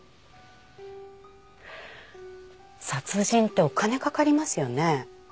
殺人ってお金かかりますよね？